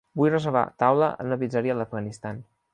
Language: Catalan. Vull reservar taula en una pizzeria a l'Afganistan.